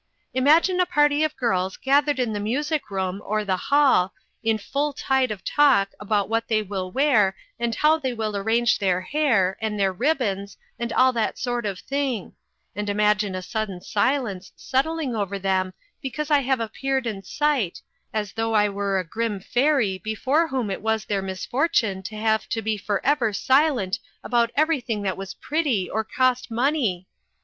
" Imagine a party of girls gathered in the music room or the hall, in full tide of talk about what they will wear, and how they will arrange their hair, and their ribbons, and all that sort of thing; and imagine a sudden silence settling over them because I have appeared in sight, as though I were a grim fairy before whom it was their mis fortune to have to be forever silent about everything that was pretty, or cost money